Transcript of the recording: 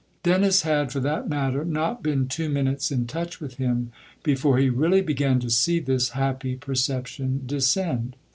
Dennis had, for that matter, not been two mjnutes in touch with him before he really began to see this happy perception descend.